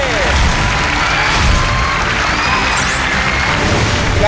ขอบคุณครับ